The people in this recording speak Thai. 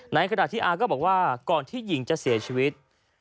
ในขณะที่อาก็บอกว่าก่อนที่หญิงจะเสียชีวิต